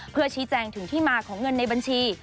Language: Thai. เพื่อชี้แจงถึงที่มาของเงินในบัญชี